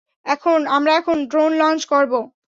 আমরা এখন drone launch করব।